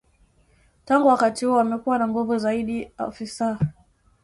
Tangu wakati huo wamekuwa na nguvu zaidi afisa